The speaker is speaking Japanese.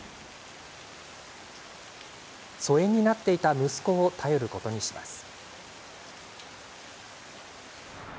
疎遠になっていた息子を頼ることにします。